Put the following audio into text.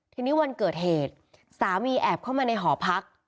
ทีนี้วันเกิดเหตุสามีแอบเข้ามาในหอพัก